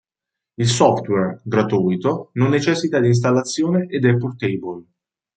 Il software, gratuito, non necessita di installazione ed è portable.